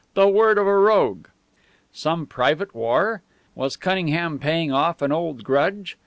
The word of a rogue! Some private war? Was Cunningham paying off an old grudge?